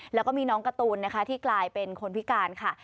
แล้วก็มีน้องการ์ตูนนะคะที่กลายเป็นคนพิการค่ะ